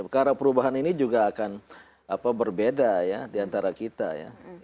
karena perubahan ini juga akan berbeda ya diantara kita ya